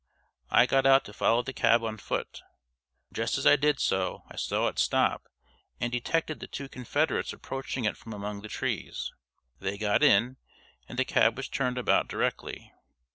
I got out to follow the cab on foot. Just as I did so, I saw it stop, and detected the two confederates approaching it from among the trees. They got in, and the cab was turned about directly.